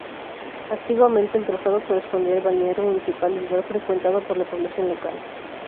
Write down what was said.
Antiguamente, el trazado correspondía al balneario municipal, lugar frecuentado por la población local.